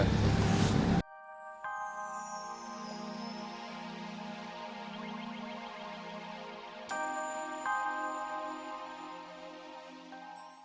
ya jangan menceritakan